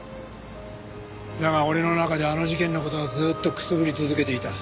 だが俺の中であの事件の事はずっとくすぶり続けていた。